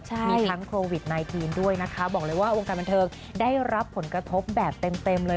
มีทั้งโควิด๑๙ด้วยนะคะบอกเลยว่าวงการบันเทิงได้รับผลกระทบแบบเต็มเลย